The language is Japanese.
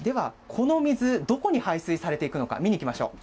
この水、どこに排水されていくのか、見に行きましょう。